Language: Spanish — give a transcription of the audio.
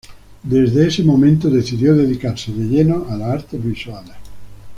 Desde ese momento, decidió dedicarse de lleno a las artes visuales.